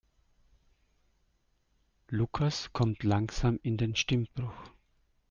Lukas kommt langsam in den Stimmbruch.